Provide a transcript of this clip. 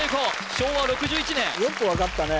昭和６１年よく分かったね